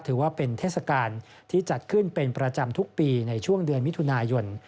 ถือว่าเป็นเทศกาลที่จัดขึ้นเป็นประจำทุกปีในช่วงเดือนมิถุนายน